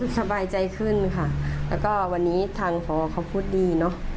สบายใจขึ้นค่ะแล้วก็วันนี้ทางพอเขาพูดดีเนอะ